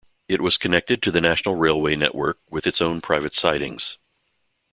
It was connected to the national railway network, with its own private sidings.